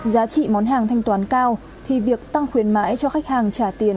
giá trị món hàng thanh toán cao thì việc tăng khuyến mãi cho khách hàng trả tiền